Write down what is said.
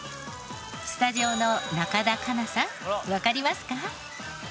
スタジオの中田花奈さんわかりますか？